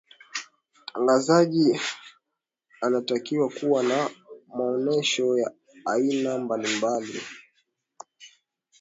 mtangazaji anatakiwa kuwa na maonesho ya aina mbalimbali